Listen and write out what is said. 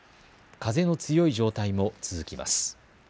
風の強い状態も続きます。